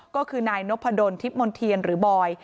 ก็คือนายนพดลทิพย์มนเทียนหรือบอย